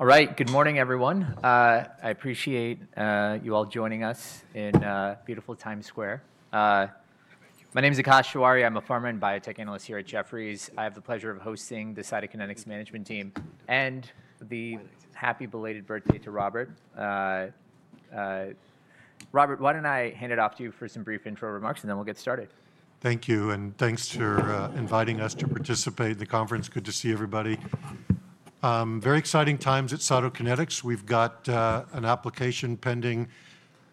All right, good morning, everyone. I appreciate you all joining us in beautiful Times Square. My name is Akash Tewari. I'm a pharma and biotech analyst here at Jefferies. I have the pleasure of hosting the Cytokinetics management team. And happy belated birthday to Robert. Robert, why don't I hand it off to you for some brief intro remarks, and then we'll get started. Thank you, and thanks for inviting us to participate in the conference. Good to see everybody. Very exciting times at Cytokinetics. We've got an application pending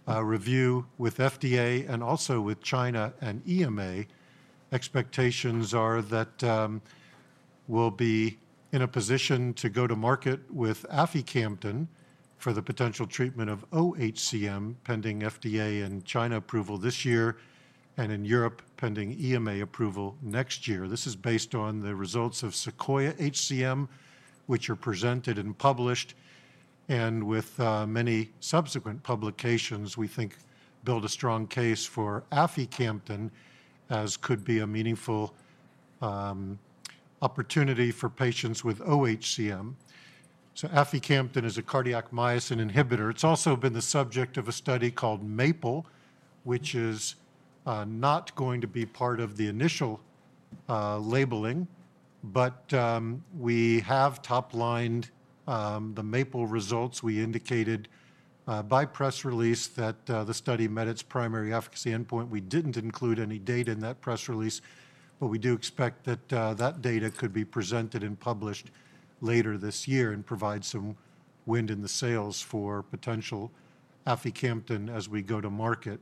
review with FDA and also with China and EMA. Expectations are that we'll be in a position to go to market with aficamten for the potential treatment of OHCM, pending FDA and China approval this year, and in Europe, pending EMA approval next year. This is based on the results of SEQUOIA-HCM, which are presented and published, and with many subsequent publications, we think build a strong case for aficamten, as could be a meaningful opportunity for patients with OHCM. Aficamten is a cardiac myosin inhibitor. It's also been the subject of a study called MAPLE, which is not going to be part of the initial labeling. We have top-lined the MAPLE results. We indicated by press release that the study met its primary efficacy endpoint. We did not include any data in that press release, but we do expect that that data could be presented and published later this year and provide some wind in the sails for potential aficamten as we go to market.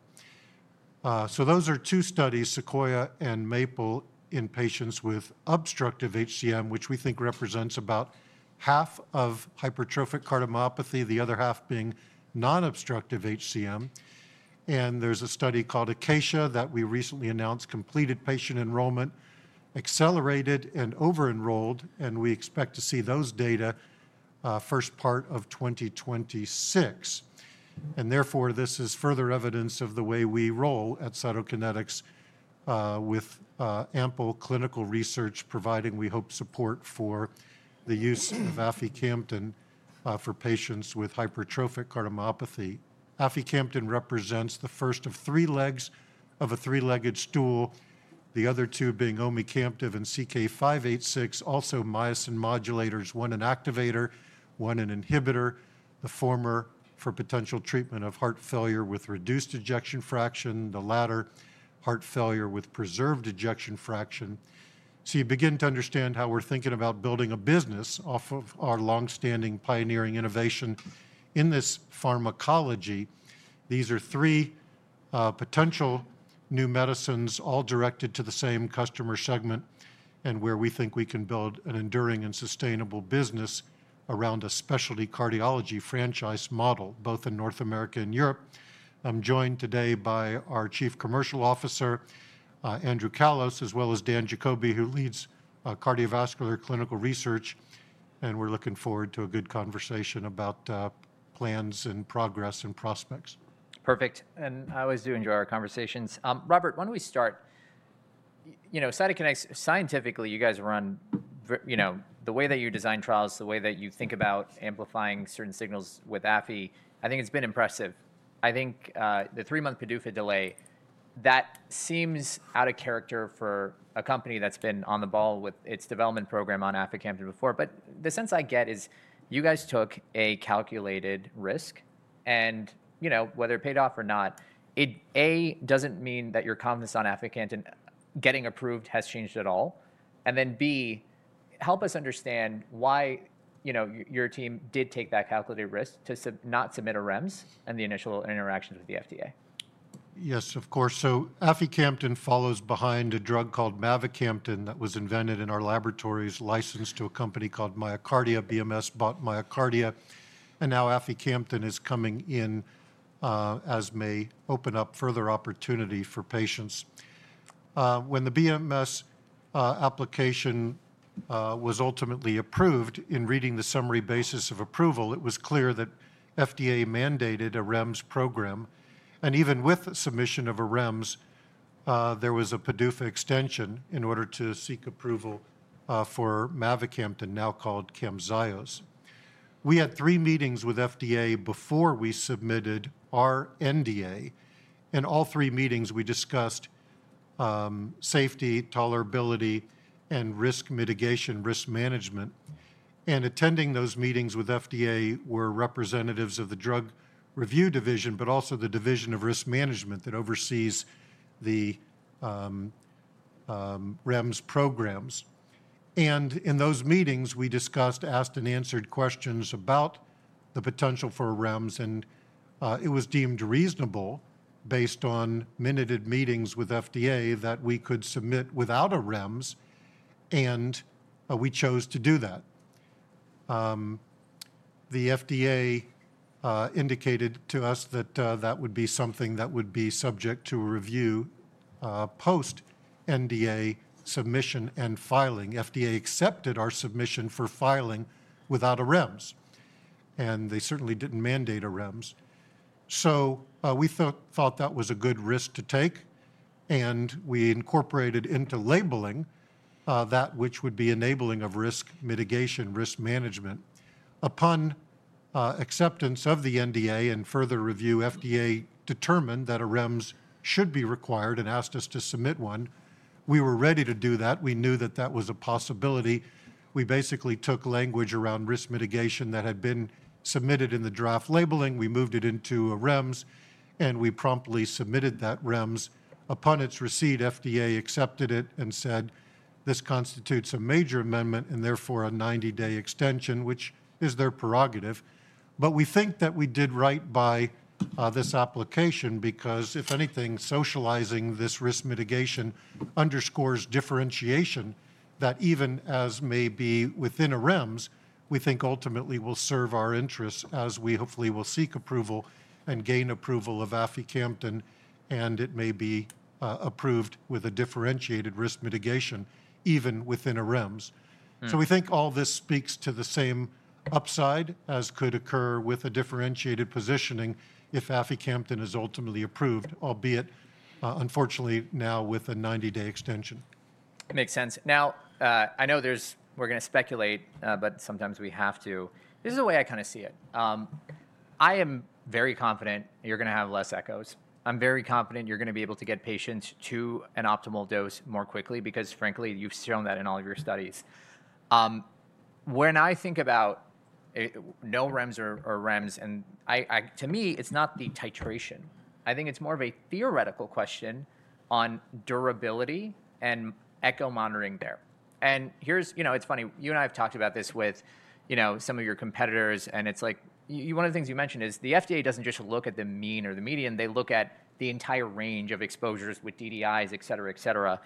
Those are two studies, SEQUOIA and MAPLE, in patients with obstructive HCM, which we think represents about half of hypertrophic cardiomyopathy, the other half being non-obstructive HCM. There is a study called Acacia that we recently announced completed patient enrollment, accelerated, and over-enrolled, and we expect to see those data first part of 2026. This is further evidence of the way we roll at Cytokinetics with ample clinical research, providing, we hope, support for the use of ficamten for patients with hypertrophic cardiomyopathy. Aficamten represents the first of three legs of a three-legged stool, the other two being Omecamtiv and CK-586, also myosin modulators, one an activator, one an inhibitor, the former for potential treatment of heart failure with reduced ejection fraction, the latter heart failure with preserved ejection fraction. You begin to understand how we're thinking about building a business off of our longstanding pioneering innovation in this pharmacology. These are three potential new medicines, all directed to the same customer segment, and where we think we can build an enduring and sustainable business around a specialty cardiology franchise model, both in North America and Europe. I'm joined today by our Chief Commercial Officer, Andrew Callos, as well as Dan Jacoby, who leads cardiovascular clinical research, and we're looking forward to a good conversation about plans and progress and prospects. Perfect. I always do enjoy our conversations. Robert, why don't we start? You know, scientifically, you guys run the way that you design trials, the way that you think about amplifying certain signals with aficamten. I think it's been impressive. I think the three-month PDUFA delay, that seems out of character for a company that's been on the ball with its development program on aficamten before. The sense I get is you guys took a calculated risk, and whether it paid off or not, A, doesn't mean that your confidence on aficamten getting approved has changed at all. B, help us understand why your team did take that calculated risk to not submit a REMS and the initial interactions with the FDA. Yes, of course. So aficamten follows behind a drug called mavacamten that was invented in our laboratories, licensed to a company called MyoKardia. BMS bought MyoKardia, and now aficamten is coming in as may open up further opportunity for patients. When the Bristol Myers Squibb application was ultimately approved, in reading the summary basis of approval, it was clear that FDA mandated a REMS program. Even with submission of a REMS, there was a PDUFA extension in order to seek approval for mavacamten, now called Camzyos. We had three meetings with FDA before we submitted our NDA. In all three meetings, we discussed safety, tolerability, and risk mitigation, risk management. Attending those meetings with FDA were representatives of the Drug Review Division, but also the Division of Risk Management that oversees the REMS programs. In those meetings, we discussed, asked, and answered questions about the potential for a REMS, and it was deemed reasonable, based on minute meetings with FDA, that we could submit without a REMS, and we chose to do that. The FDA indicated to us that that would be something that would be subject to review post-NDA submission and filing. FDA accepted our submission for filing without a REMS, and they certainly did not mandate a REMS. We thought that was a good risk to take, and we incorporated into labeling that which would be enabling of risk mitigation, risk management. Upon acceptance of the NDA and further review, FDA determined that a REMS should be required and asked us to submit one. We were ready to do that. We knew that that was a possibility. We basically took language around risk mitigation that had been submitted in the draft labeling. We moved it into a REMS, and we promptly submitted that REMS. Upon its receipt, FDA accepted it and said, "This constitutes a major amendment and therefore a 90-day extension," which is their prerogative. We think that we did right by this application because, if anything, socializing this risk mitigation underscores differentiation that even as may be within a REMS, we think ultimately will serve our interests as we hopefully will seek approval and gain approval of aficamten, and it may be approved with a differentiated risk mitigation, even within a REMS. We think all this speaks to the same upside as could occur with a differentiated positioning if aficamten is ultimately approved, albeit, unfortunately, now with a 90-day extension. It makes sense. Now, I know we're going to speculate, but sometimes we have to. This is the way I kind of see it. I am very confident you're going to have less echoes. I'm very confident you're going to be able to get patients to an optimal dose more quickly because, frankly, you've shown that in all of your studies. When I think about no REMS or REMS, and to me, it's not the titration. I think it's more of a theoretical question on durability and echo monitoring there. You know, it's funny. You and I have talked about this with some of your competitors, and it's like one of the things you mentioned is the FDA doesn't just look at the mean or the median. They look at the entire range of exposures with DDIs, et cetera, et cetera.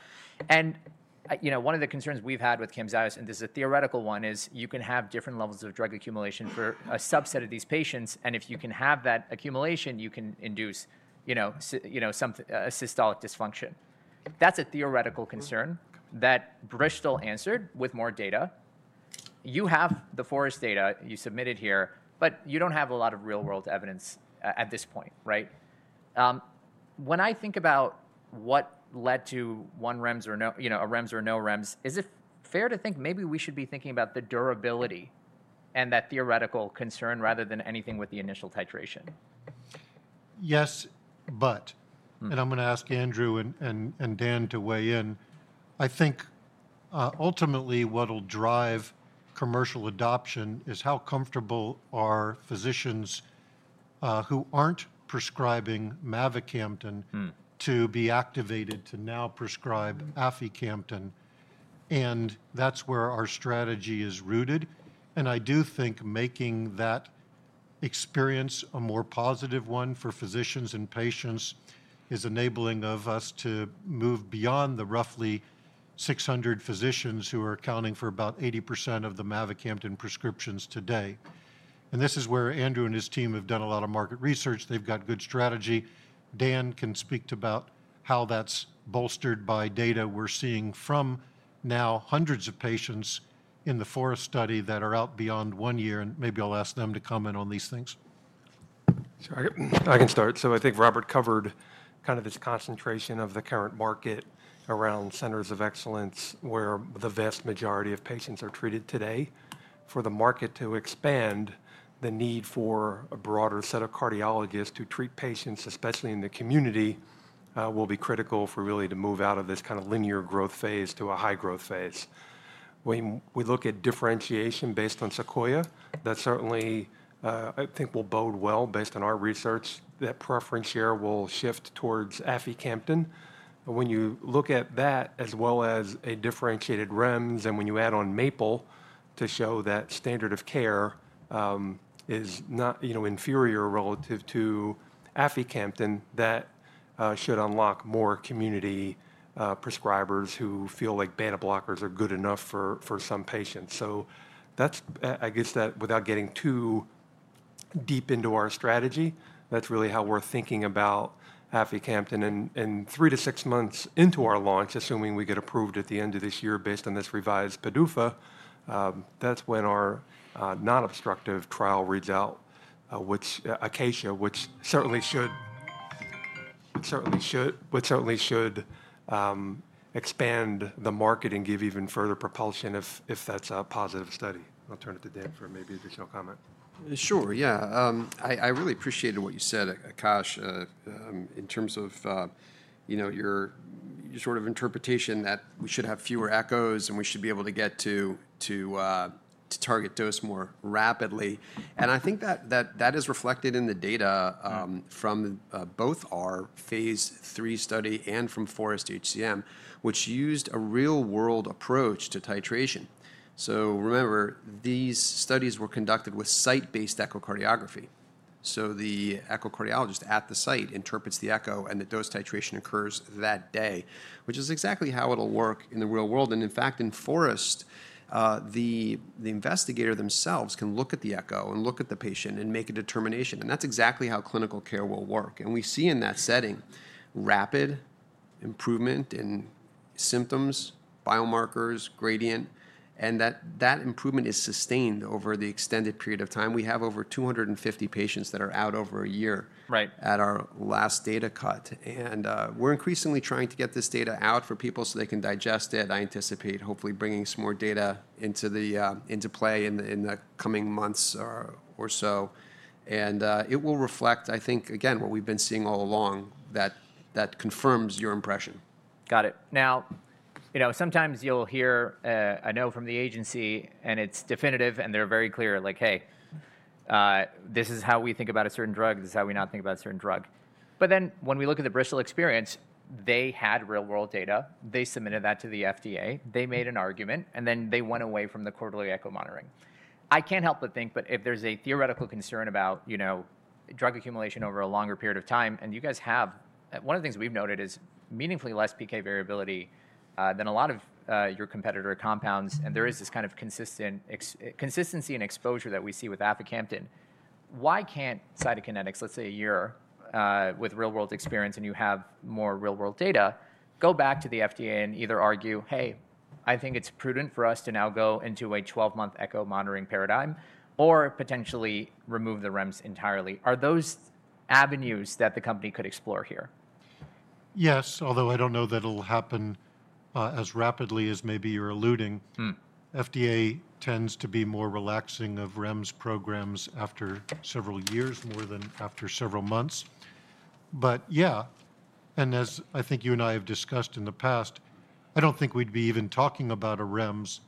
One of the concerns we've had with Camzyos, and this is a theoretical one, is you can have different levels of drug accumulation for a subset of these patients, and if you can have that accumulation, you can induce a systolic dysfunction. That's a theoretical concern that Bristol answered with more data. You have the FOREST data you submitted here, but you don't have a lot of real-world evidence at this point, right? When I think about what led to one REMS or a REMS or no REMS, is it fair to think maybe we should be thinking about the durability and that theoretical concern rather than anything with the initial titration? Yes, but, and I'm going to ask Andrew and Dan to weigh in, I think ultimately what will drive commercial adoption is how comfortable are physicians who aren't prescribing mavacamten to be activated to now prescribe aficamten. That's where our strategy is rooted. I do think making that experience a more positive one for physicians and patients is enabling us to move beyond the roughly 600 physicians who are accounting for about 80% of the mavacamten prescriptions today. This is where Andrew and his team have done a lot of market research. They've got good strategy. Dan can speak to about how that's bolstered by data we're seeing from now hundreds of patients in the FOREST-HCM study that are out beyond one year, and maybe I'll ask them to comment on these things. I can start. I think Robert covered kind of this concentration of the current market around centers of excellence where the vast majority of patients are treated today. For the market to expand, the need for a broader set of cardiologists to treat patients, especially in the community, will be critical for really to move out of this kind of linear growth phase to a high growth phase. When we look at differentiation based on SEQUOIA, that certainly, I think, will bode well based on our research. That preference share will shift towards aficamten. When you look at that as well as a differentiated REMS, and when you add on MAPLE to show that standard of care is not inferior relative to aficamten, that should unlock more community prescribers who feel like beta blockers are good enough for some patients. I guess that without getting too deep into our strategy, that's really how we're thinking about aficamten. Three to six months into our launch, assuming we get approved at the end of this year based on this revised PDUFA, that's when our non-obstructive trial reads out, which is Acacia, which certainly should expand the market and give even further propulsion if that's a positive study. I'll turn it to Dan for maybe additional comment. Sure, yeah. I really appreciated what you said, Akash, in terms of your sort of interpretation that we should have fewer echoes and we should be able to get to target dose more rapidly. I think that that is reflected in the data from both our phase 3 study and from FOREST-HCM, which used a real-world approach to titration. Remember, these studies were conducted with site-based echocardiography. The echocardiologist at the site interprets the echo, and the dose titration occurs that day, which is exactly how it will work in the real world. In fact, in FOREST, the investigator themselves can look at the echo and look at the patient and make a determination. That is exactly how clinical care will work. We see in that setting rapid improvement in symptoms, biomarkers, gradient, and that improvement is sustained over the extended period of time. We have over 250 patients that are out over a year at our last data cut. We are increasingly trying to get this data out for people so they can digest it. I anticipate hopefully bringing some more data into play in the coming months or so. It will reflect, I think, again, what we have been seeing all along that confirms your impression. Got it. Now, you know, sometimes you'll hear a no from the agency, and it's definitive, and they're very clear, like, "Hey, this is how we think about a certain drug. This is how we not think about a certain drug." When we look at the Bristol experience, they had real-world data. They submitted that to the FDA. They made an argument, and they went away from the quarterly echo monitoring. I can't help but think, if there's a theoretical concern about drug accumulation over a longer period of time, and you guys have, one of the things we've noted is meaningfully less PK variability than a lot of your competitor compounds, and there is this kind of consistency in exposure that we see with aficamten, why can't Cytokinetics, let's say a year with real-world experience and you have more real-world data, go back to the FDA and either argue, "Hey, I think it's prudent for us to now go into a 12-month echo monitoring paradigm," or potentially remove the REMS entirely? Are those avenues that the company could explore here? Yes, although I don't know that it'll happen as rapidly as maybe you're alluding. FDA tends to be more relaxing of REMS programs after several years more than after several months. Yeah, and as I think you and I have discussed in the past, I don't think we'd be even talking about a REMS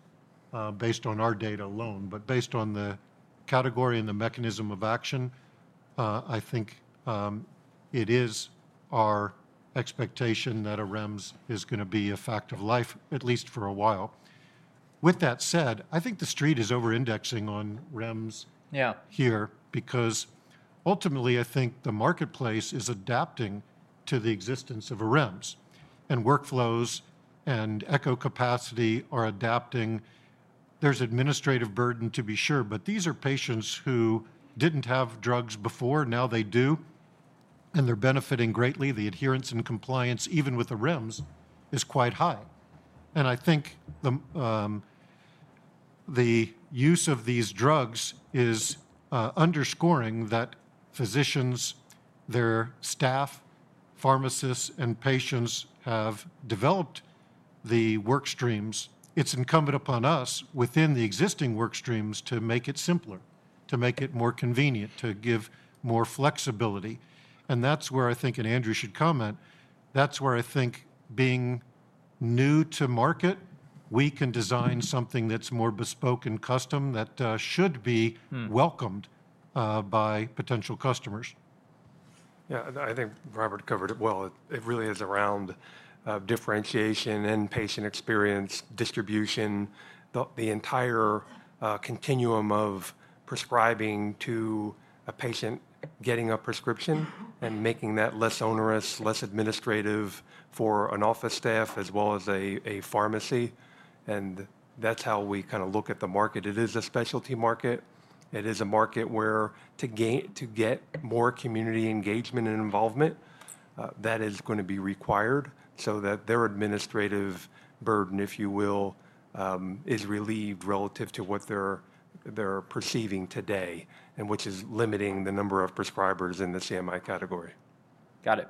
based on our data alone, but based on the category and the mechanism of action, I think it is our expectation that a REMS is going to be a fact of life, at least for a while. With that said, I think the street is over-indexing on REMS here because ultimately, I think the marketplace is adapting to the existence of a REMS, and workflows and echo capacity are adapting. There's administrative burden, to be sure, but these are patients who didn't have drugs before. Now they do, and they're benefiting greatly. The adherence and compliance, even with a REMS, is quite high. I think the use of these drugs is underscoring that physicians, their staff, pharmacists, and patients have developed the work streams. It is incumbent upon us within the existing work streams to make it simpler, to make it more convenient, to give more flexibility. That is where I think, and Andrew should comment, that is where I think being new to market, we can design something that is more bespoke and custom that should be welcomed by potential customers. Yeah, I think Robert covered it well. It really is around differentiation and patient experience distribution, the entire continuum of prescribing to a patient, getting a prescription, and making that less onerous, less administrative for an office staff as well as a pharmacy. That is how we kind of look at the market. It is a specialty market. It is a market where to get more community engagement and involvement, that is going to be required so that their administrative burden, if you will, is relieved relative to what they are perceiving today, and which is limiting the number of prescribers in the CMI category. Got it.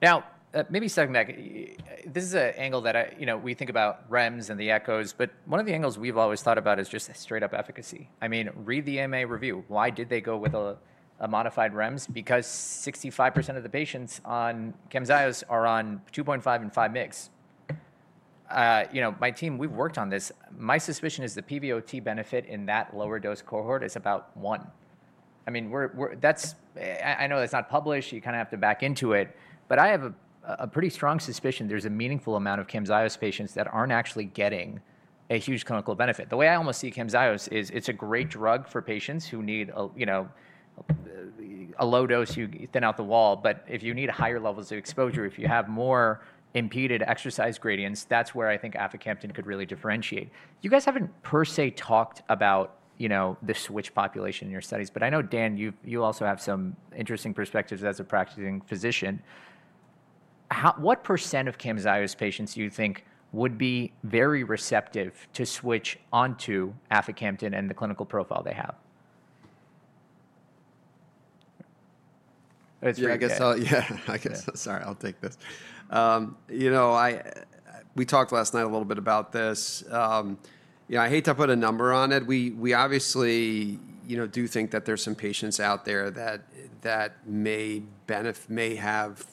Now, maybe stepping back, this is an angle that we think about REMS and the echoes, but one of the angles we've always thought about is just straight-up efficacy. I mean, read the AMA review. Why did they go with a modified REMS? Because 65% of the patients on Camzyos are on 2.5 and 5 mg. My team, we've worked on this. My suspicion is the pivotal benefit in that lower dose cohort is about one. I mean, I know that's not published. You kind of have to back into it. But I have a pretty strong suspicion there's a meaningful amount of Camzyos patients that aren't actually getting a huge clinical benefit. The way I almost see Camzyos is it's a great drug for patients who need a low dose who thin out the wall. If you need higher levels of exposure, if you have more impeded exercise gradients, that's where I think aficamten could really differentiate. You guys haven't per se talked about the switch population in your studies, but I know, Dan, you also have some interesting perspectives as a practicing physician. What % of Camzyos patients do you think would be very receptive to switch onto aficamten and the clinical profile they have? Yeah, I guess I'll, yeah, sorry, I'll take this. You know, we talked last night a little bit about this. You know, I hate to put a number on it. We obviously do think that there's some patients out there that may have,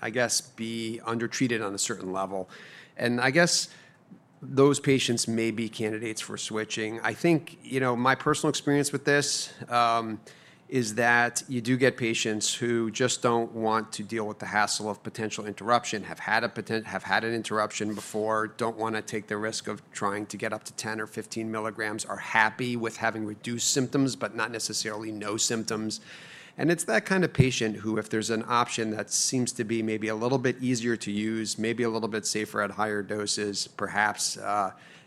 I guess, be undertreated on a certain level. And I guess those patients may be candidates for switching. I think, you know, my personal experience with this is that you do get patients who just don't want to deal with the hassle of potential interruption, have had an interruption before, don't want to take the risk of trying to get up to 10 or 15 mg, are happy with having reduced symptoms, but not necessarily no symptoms. It is that kind of patient who, if there is an option that seems to be maybe a little bit easier to use, maybe a little bit safer at higher doses, perhaps,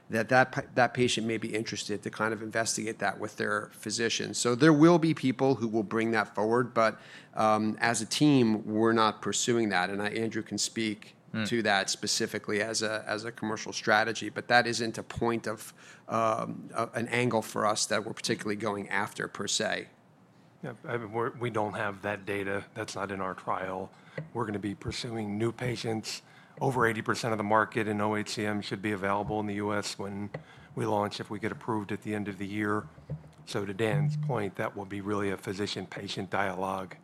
that that patient may be interested to kind of investigate that with their physician. There will be people who will bring that forward, but as a team, we are not pursuing that. Andrew can speak to that specifically as a commercial strategy, but that is not a point of an angle for us that we are particularly going after per se. Yeah, we don't have that data. That's not in our trial. We're going to be pursuing new patients. Over 80% of the market in OHCM should be available in the U.S. when we launch if we get approved at the end of the year. To Dan's point, that will be really a physician-patient dialogue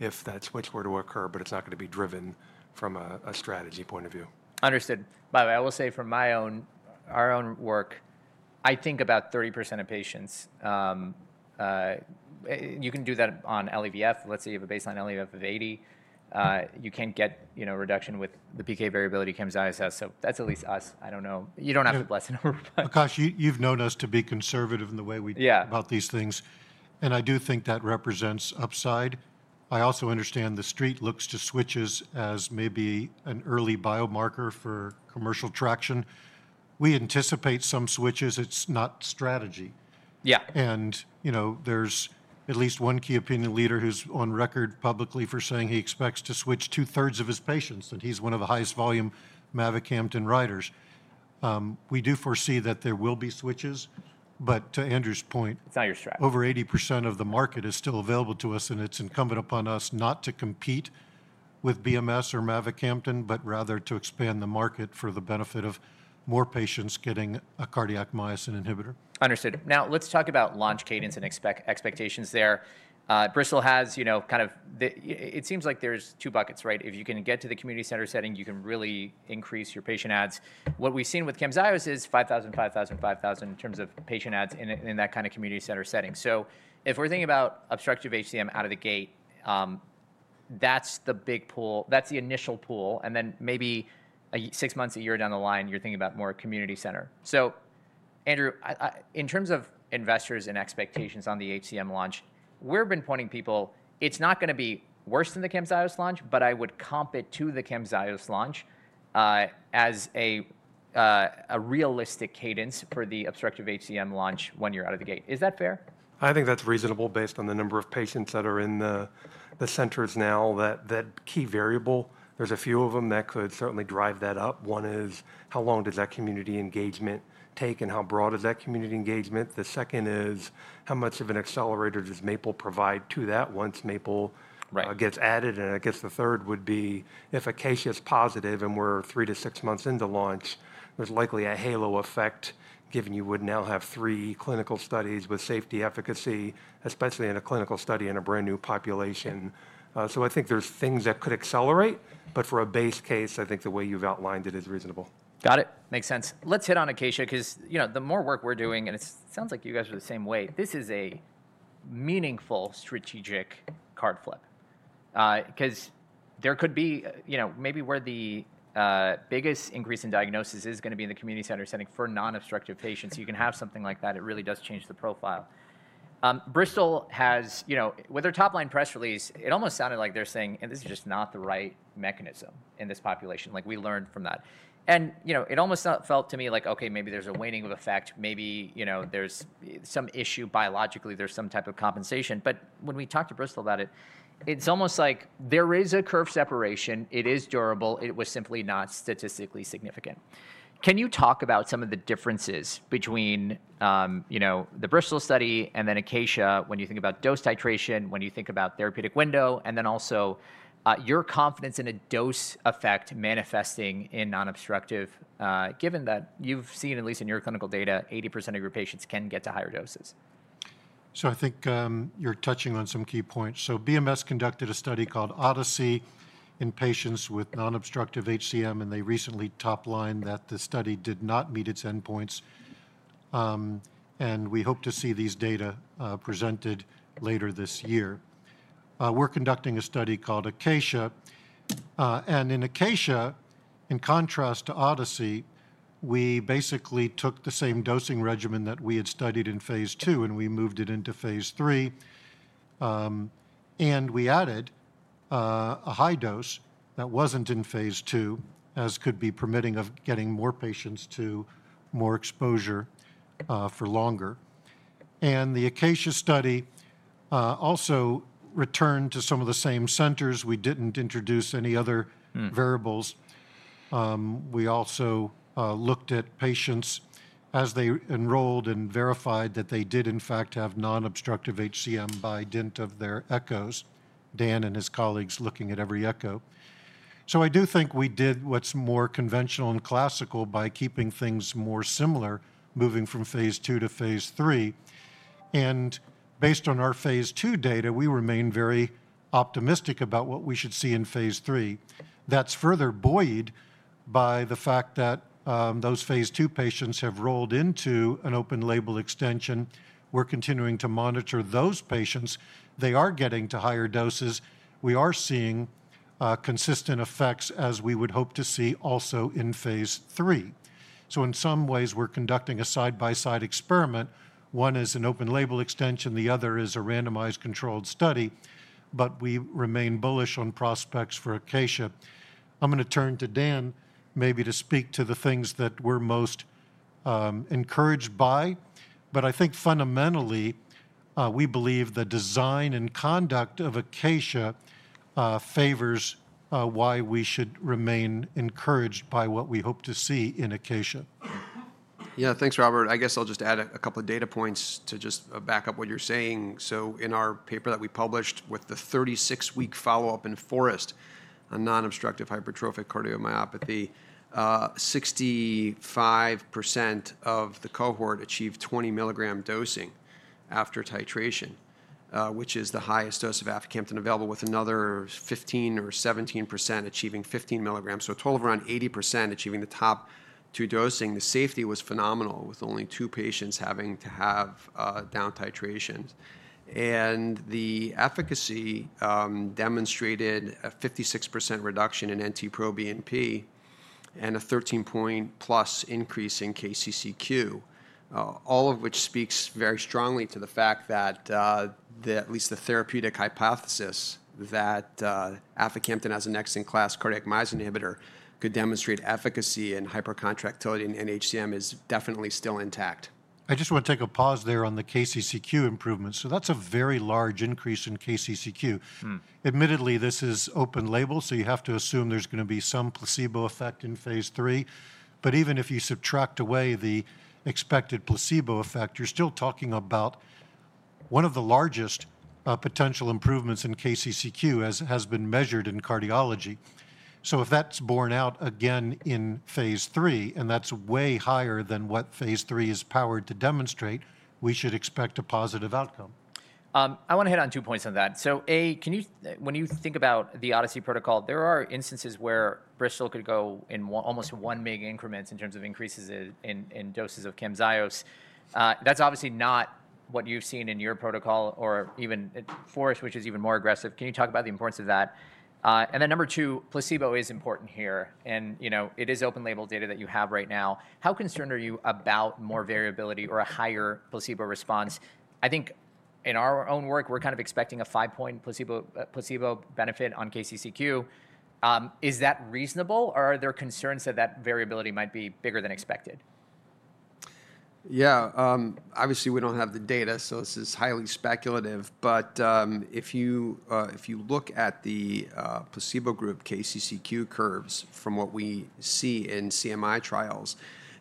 if that switch were to occur, but it's not going to be driven from a strategy point of view. Understood. By the way, I will say from our own work, I think about 30% of patients. You can do that on LVEF. Let's say you have a baseline LVEF of 80. You can't get reduction with the PK variability Camzyos has. So that's at least us. I don't know. You don't have to bless in our repository. Akash, you've known us to be conservative in the way we talk about these things. I do think that represents upside. I also understand the street looks to switches as maybe an early biomarker for commercial traction. We anticipate some switches. It's not strategy. Yeah, and you know, there's at least one key opinion leader who's on record publicly for saying he expects to switch two-thirds of his patients, and he's one of the highest volume mavacamten writers. We do foresee that there will be switches, but to Andrew's point. It's not your stretch. Over 80% of the market is still available to us, and it's incumbent upon us not to compete with BMS or mavacamten, but rather to expand the market for the benefit of more patients getting a cardiac myosin inhibitor. Understood. Now, let's talk about launch cadence and expectations there. Bristol has, you know, kind of it seems like there's two buckets, right? If you can get to the community center setting, you can really increase your patient ads. What we've seen with Camzyos is 5,000, 5,000, 5,000 in terms of patient ads in that kind of community center setting. If we're thinking about obstructive HCM out of the gate, that's the big pool. That's the initial pool. Maybe six months, a year down the line, you're thinking about more community center. Andrew, in terms of investors and expectations on the HCM launch, we've been pointing people, it's not going to be worse than the Camzyos launch, but I would comp it to the Camzyos launch as a realistic cadence for the obstructive HCM launch one year out of the gate. Is that fair? I think that's reasonable based on the number of patients that are in the centers now, that key variable. There's a few of them that could certainly drive that up. One is how long does that community engagement take and how broad is that community engagement? The second is how much of an accelerator does MAPLE provide to that once MAPLE gets added? I guess the third would be if Acacia is positive and we're three to six months into launch, there's likely a halo effect, given you would now have three clinical studies with safety efficacy, especially in a clinical study in a brand new population. I think there's things that could accelerate, but for a base case, I think the way you've outlined it is reasonable. Got it. Makes sense. Let's hit on Acacia because, you know, the more work we're doing, and it sounds like you guys are the same way, this is a meaningful strategic card flip because there could be, you know, maybe where the biggest increase in diagnosis is going to be in the community center setting for non-obstructive patients. You can have something like that. It really does change the profile. Bristol has, you know, with their top-line press release, it almost sounded like they're saying, and this is just not the right mechanism in this population, like we learned from that. You know, it almost felt to me like, okay, maybe there's a waning of effect. Maybe, you know, there's some issue biologically. There's some type of compensation. When we talked to Bristol about it, it's almost like there is a curve separation. It is durable. It was simply not statistically significant. Can you talk about some of the differences between, you know, the Bristol study and then Acacia when you think about dose titration, when you think about therapeutic window, and then also your confidence in a dose effect manifesting in non-obstructive, given that you've seen, at least in your clinical data, 80% of your patients can get to higher doses? I think you're touching on some key points. BMS conducted a study called Odyssey in patients with non-obstructive HCM, and they recently toplined that the study did not meet its endpoints. We hope to see these data presented later this year. We're conducting a study called Acacia. In Acacia, in contrast to Odyssey, we basically took the same dosing regimen that we had studied in phase two, and we moved it into phase three. We added a high dose that wasn't in phase two, as could be permitting of getting more patients to more exposure for longer. The Acacia study also returned to some of the same centers. We didn't introduce any other variables. We also looked at patients as they enrolled and verified that they did, in fact, have non-obstructive HCM by dint of their echoes. Dan and his colleagues looking at every echo. I do think we did what's more conventional and classical by keeping things more similar, moving from phase two to phase three. Based on our phase two data, we remain very optimistic about what we should see in phase three. That's further buoyed by the fact that those phase two patients have rolled into an open label extension. We're continuing to monitor those patients. They are getting to higher doses. We are seeing consistent effects as we would hope to see also in phase three. In some ways, we're conducting a side-by-side experiment. One is an open label extension. The other is a randomized controlled study. We remain bullish on prospects for Acacia. I'm going to turn to Dan maybe to speak to the things that we're most encouraged by. I think fundamentally, we believe the design and conduct of Acacia favors why we should remain encouraged by what we hope to see in Acacia. Yeah, thanks, Robert. I guess I'll just add a couple of data points to just back up what you're saying. In our paper that we published with the 36-week follow-up in FOREST-HCM on non-obstructive hypertrophic cardiomyopathy, 65% of the cohort achieved 20 dosing after titration, which is the highest dose of aficamten available, with another 15% or 17% achieving 15 mg. A total of around 80% achieving the top two dosing. The safety was phenomenal, with only two patients having to have down titrations. The efficacy demonstrated a 56% reduction in NT-proBNP and a 13-point plus increase in KCCQ, all of which speaks very strongly to the fact that at least the therapeutic hypothesis that aficamten as an excellent class cardiac myosin inhibitor could demonstrate efficacy in hypercontractility in HCM is definitely still intact. I just want to take a pause there on the KCCQ improvements. That is a very large increase in KCCQ. Admittedly, this is open label, so you have to assume there is going to be some placebo effect in phase three. Even if you subtract away the expected placebo effect, you are still talking about one of the largest potential improvements in KCCQ as has been measured in cardiology. If that is borne out again in phase three, and that is way higher than what phase three is powered to demonstrate, we should expect a positive outcome. I want to hit on two points on that. A, when you think about the Odyssey protocol, there are instances where Bristol could go in almost one-mg increments in terms of increases in doses of Camzyos. That's obviously not what you've seen in your protocol or even FOREST, which is even more aggressive. Can you talk about the importance of that? Number two, placebo is important here. You know, it is open label data that you have right now. How concerned are you about more variability or a higher placebo response? I think in our own work, we're kind of expecting a five-point placebo benefit on KCCQ. Is that reasonable, or are there concerns that that variability might be bigger than expected? Yeah, obviously, we don't have the data, so this is highly speculative. If you look at the placebo group KCCQ curves from what we see in CMI trials,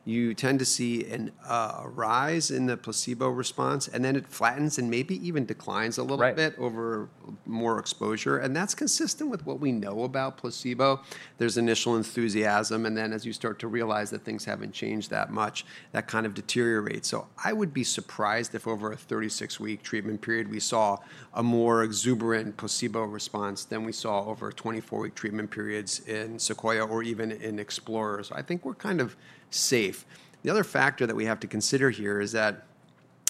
you tend to see a rise in the placebo response, and then it flattens and maybe even declines a little bit over more exposure. That's consistent with what we know about placebo. There's initial enthusiasm, and then as you start to realize that things haven't changed that much, that kind of deteriorates. I would be surprised if over a 36-week treatment period, we saw a more exuberant placebo response than we saw over 24-week treatment periods in SEQUOIA or even in Explorers. I think we're kind of safe. The other factor that we have to consider here is that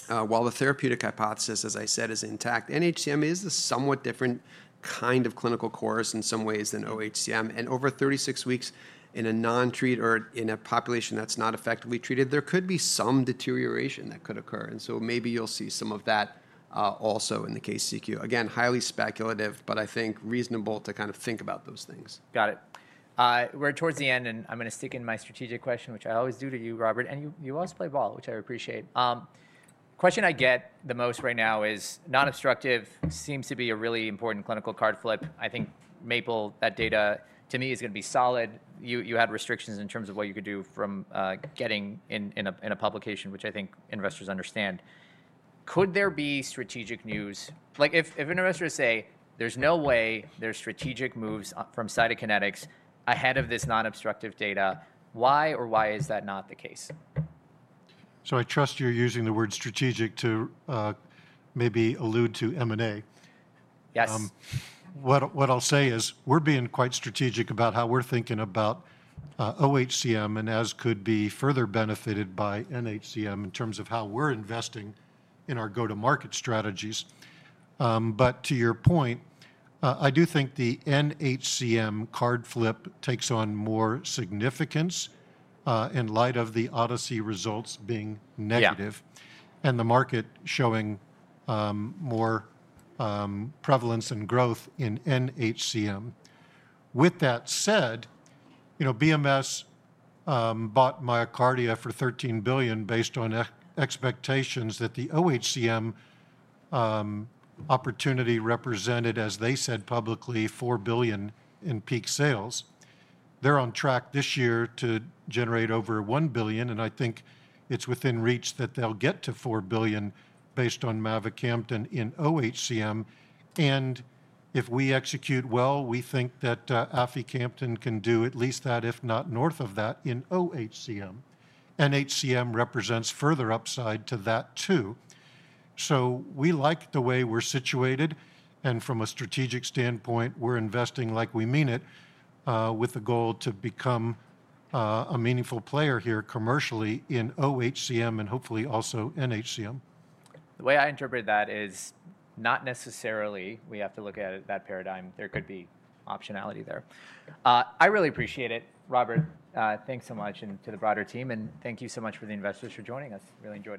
while the therapeutic hypothesis, as I said, is intact, NHCM is a somewhat different kind of clinical course in some ways than OHCM. Over 36 weeks in a non-treat or in a population that's not effectively treated, there could be some deterioration that could occur. Maybe you'll see some of that also in the KCCQ. Again, highly speculative, but I think reasonable to kind of think about those things. Got it. We're towards the end, and I'm going to stick in my strategic question, which I always do to you, Robert. You always play ball, which I appreciate. The question I get the most right now is non-obstructive seems to be a really important clinical card flip. I think MAPLE, that data to me is going to be solid. You had restrictions in terms of what you could do from getting in a publication, which I think investors understand. Could there be strategic news? Like if an investor says, there's no way there's strategic moves from Cytokinetics ahead of this non-obstructive data, why or why is that not the case? I trust you're using the word strategic to maybe allude to M&A. Yes. What I'll say is we're being quite strategic about how we're thinking about OHCM and as could be further benefited by NHCM in terms of how we're investing in our go-to-market strategies. To your point, I do think the NHCM card flip takes on more significance in light of the Odyssey results being negative and the market showing more prevalence and growth in NHCM. With that said, you know, BMS bought MyoKardia for $13 billion based on expectations that the OHCM opportunity represented, as they said publicly, $4 billion in peak sales. They're on track this year to generate over $1 billion, and I think it's within reach that they'll get to $4 billion based on mavacamten in OHCM. If we execute well, we think that aficamten can do at least that, if not north of that in OHCM. NHCM represents further upside to that too. We like the way we're situated, and from a strategic standpoint, we're investing like we mean it with the goal to become a meaningful player here commercially in OHCM and hopefully also NHCM. The way I interpret that is not necessarily we have to look at that paradigm. There could be optionality there. I really appreciate it, Robert. Thanks so much and to the broader team, and thank you so much for the investors for joining us. Really enjoy.